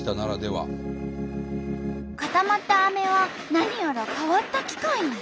固まったアメは何やら変わった機械に。